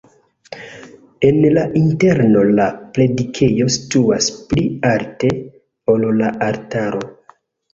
En la interno la predikejo situas pli alte, ol la altaro.